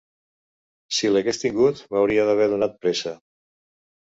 Si l'hagués tingut, m'hauria d'haver donat pressa.